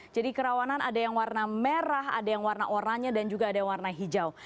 jadi kerawanan ada yang warna merah ada yang warna oranye dan juga ada yang warna hijau